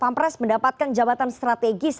pampres mendapatkan jabatan strategis